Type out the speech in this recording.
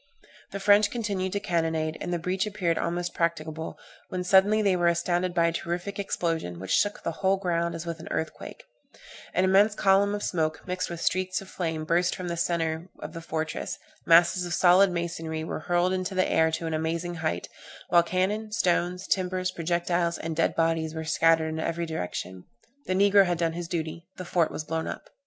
The French continued to cannonade, and the breach appeared almost practicable, when suddenly they were astounded by a terrific explosion, which shook the whole ground as with an earthquake; an immense column of smoke, mixed with streaks of flame, burst from the centre of the fortress, masses of solid masonry were hurled into the air to an amazing height, while cannon, stones, timbers, projectiles, and dead bodies, were scattered in every direction the negro had done his duty the fort was blown up.